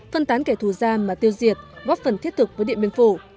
phân tán kẻ thù ra mà tiêu diệt góp phần thiết thực với điện biên phủ